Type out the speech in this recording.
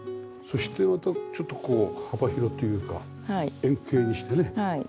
そしてまたちょっとこう幅広っていうか円形にしてね。